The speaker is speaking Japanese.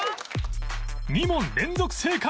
２問連続正解！